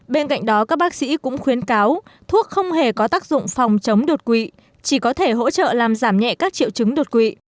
bên cạnh đó các bác sĩ cũng khuyến cáo thuốc không hề có tác dụng phòng chống đột quỵ chỉ có thể hỗ trợ làm giảm nhẹ các triệu chứng đột quỵ